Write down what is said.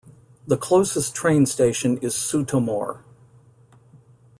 The closest train station is Sutomore.